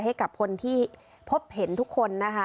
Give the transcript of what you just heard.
ให้กับคนที่พบเห็นทุกคนนะคะ